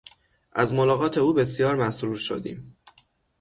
از ملاقات او بسیار مسرور شدیم!